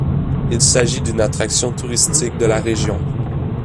Il s'agit d'une attraction touristique de la région.